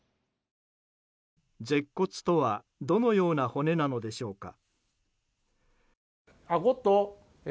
舌骨とはどのような骨なのでしょうか。